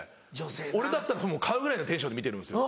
俺だったらもう買うぐらいのテンションで見てるんですよ。